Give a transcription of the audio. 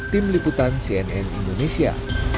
tim liputan cnn indonesia